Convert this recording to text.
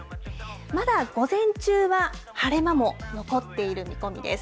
まだ午前中は、晴れ間も残っている見込みです。